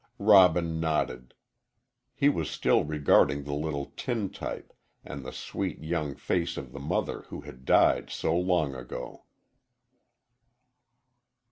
Robin nodded. He was still regarding the little tintype and the sweet, young face of the mother who had died so long ago.